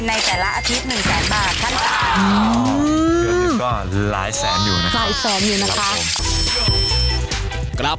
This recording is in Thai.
ในแต่ละอาทิตย์๑๐๐๐๐๐บาทตั้งแต่